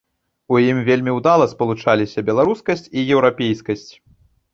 У ім вельмі ўдала спалучаліся беларускасць і еўрапейскасць.